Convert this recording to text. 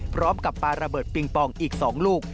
พร้อมกับปลาระเบิดปิงปองอีก๒ลูก